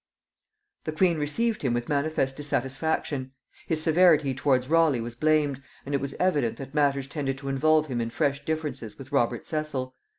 The queen received him with manifest dissatisfaction; his severity towards Raleigh was blamed, and it was evident that matters tended to involve him in fresh differences with Robert Cecil.